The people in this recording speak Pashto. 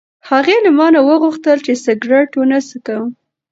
هغې له ما نه وغوښتل چې سګرټ ونه څښم.